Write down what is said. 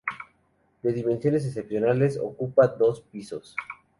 De dimensiones excepcionales, ocupa dos pisos.